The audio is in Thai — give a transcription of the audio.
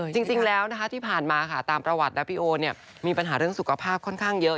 จริงแล้วที่ผ่านมาค่ะตามประวัตินะพี่โอมีปัญหาเรื่องสุขภาพค่อนข้างเยอะ